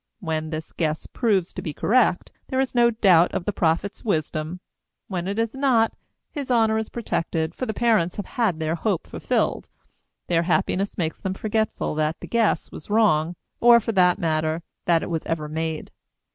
When this guess proves to be correct, there is no doubt of the prophet's wisdom; when it is not, his honor is protected, for the parents have had their hope fulfilled. Their happiness makes them forgetful that the guess was wrong, or, for that matter, that it was ever made.